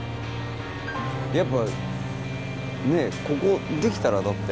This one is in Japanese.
やっぱねぇここできたらだって。